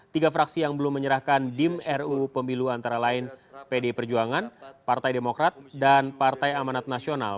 tiga fraksi yang belum menyerahkan dim ruu pemilu antara lain pdi perjuangan partai demokrat dan partai amanat nasional